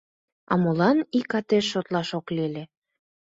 А молан ик атеш шолташ ок лий ыле?..